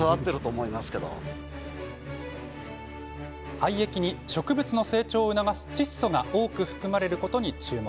廃液に植物の成長を促す窒素が多く含まれることに注目。